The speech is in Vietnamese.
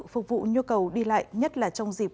phục vụ nhu cầu đi lại nhất là trong dịp